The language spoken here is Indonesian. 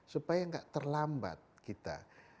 supaya enggak terlambat kita